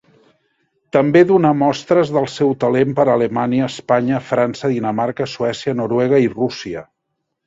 També donà mostres del seu talent per Alemanya, Espanya, França, Dinamarca, Suècia, Noruega i Rússia.